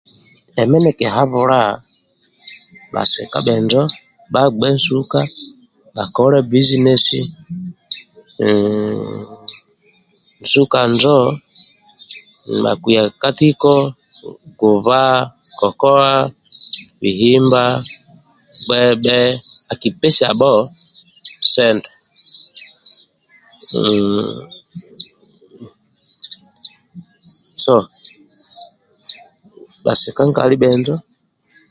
Emi nikihabula bhasika bhenjo bhagbe nsuka bhakole bizinesi nsuka njo akiyaga ka tiko guba kokowa bihimba gbebhe akipesiabho sente hhh so bhasika nkali bhenjo